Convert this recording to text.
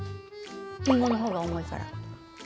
リンゴの方が重いから。